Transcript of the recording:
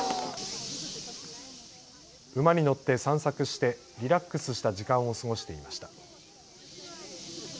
馬に乗って散策してリラックスした時間を過ごしていました。